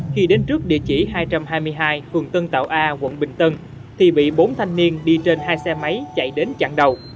khi đến trước địa chỉ hai trăm hai mươi hai phường tân tạo a quận bình tân thì bị bốn thanh niên đi trên hai xe máy chạy đến chặn đầu